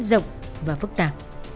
rộng và phức tạp